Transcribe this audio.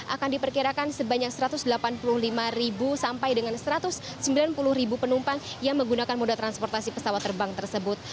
akan diperkirakan sebanyak satu ratus delapan puluh lima sampai dengan satu ratus sembilan puluh penumpang yang menggunakan moda transportasi pesawat terbang tersebut